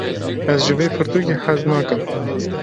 Ez ji vê pirtûkê hez nakim.